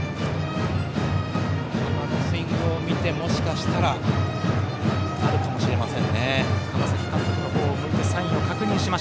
今のスイングを見てもしかしたらあるかもしれませんね。